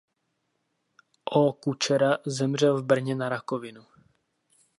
O. Kučera zemřel v Brně na rakovinu.